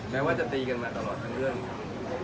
แม้ว่าจะตีกันมาตลอดทั้งเรื่อง